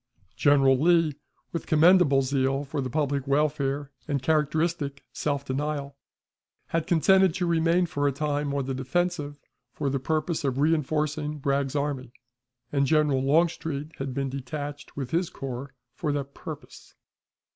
General Lee, with commendable zeal for the public welfare and characteristic self denial, had consented to remain for a time on the defensive for the purpose of reenforcing Bragg's army, and General Longstreet had been detached with his corps for that purpose.